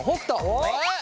おっ！